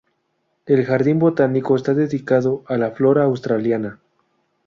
El jardín botánico está dedicado a la flora australiana.